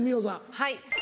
はい。